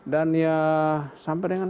dan ya sampai dengan